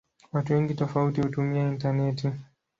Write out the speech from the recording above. Watu wengi tofauti hutumia intaneti.